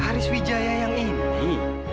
haris wijaya yang ini